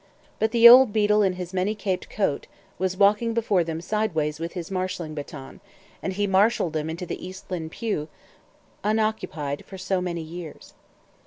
But the old beadle in his many caped coat, was walking before them sideways with his marshalling baton, and he marshaled them into the East Lynne pew, unoccupied for so many years.